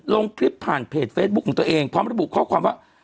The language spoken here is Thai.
ลงคลิปผ่านเพจเฟซบุ๊คของตัวเองพร้อมระบุข้อความว่า